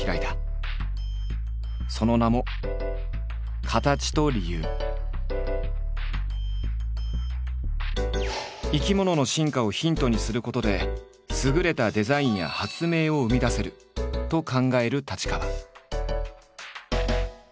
その名も生き物の進化をヒントにすることで優れたデザインや発明を生み出せると考える太刀川。